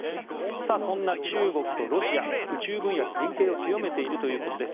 そんな中国とロシア宇宙分野で連携を強めているということです。